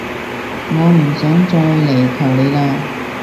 我唔想再嚟求你喇